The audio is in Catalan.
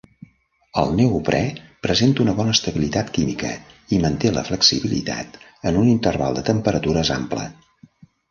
El neoprè presenta una bona estabilitat química i manté la flexibilitat en un interval de temperatures ample.